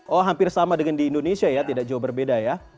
oh hampir sama dengan di indonesia ya tidak jauh berbeda ya